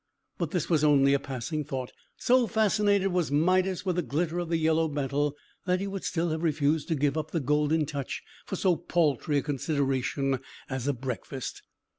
But this was only a passing thought. So fascinated was Midas with the glitter of the yellow metal, that he would still have refused to give up the Golden Touch for so paltry a consideration as a breakfast.